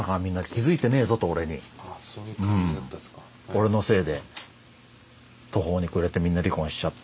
俺のせいで途方にくれてみんな離婚しちゃってさ。